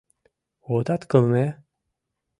Отат кылме?